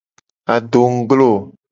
Adongglo.